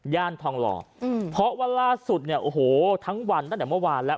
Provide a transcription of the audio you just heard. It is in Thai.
ทองหล่ออืมเพราะว่าล่าสุดเนี่ยโอ้โหทั้งวันตั้งแต่เมื่อวานแล้ว